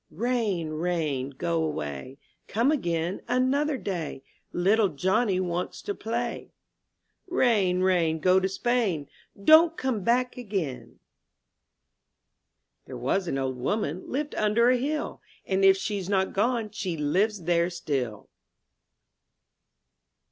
RAIN, rain, go away; Come again another day; Little Johnny wants to play. ^^ Rain, rain, go to Spain; 7 •\_ Don't come back again. 40 IN THE NURSERY r^'n —^ 0^ T^HERE was an old woman ■■■ Lived under a hill; And if she's not gone, She lives there still.